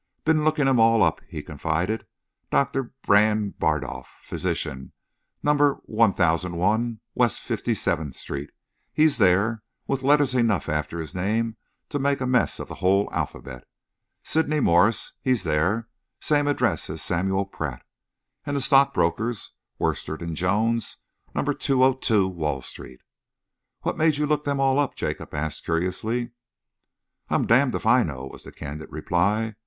"Been looking 'em all up," he confided. "Doctor Brand Bardolf, Physician, Number 1001 West Fifty seventh Street he's there, with letters enough after his name to make a mess of the whole alphabet. Sydney Morse he's there, same address as Samuel Pratt. And the stockbrokers, Worstead and Jones, Number 202 Wall Street." "What made you look them all up?" Jacob asked curiously. "I'm damned if I know," was the candid reply.